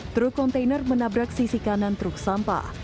truk kontainer menabrak sisi kanan truk sampah